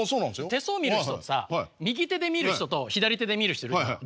手相見る人ってさ右手で見る人と左手で見る人いるじゃん。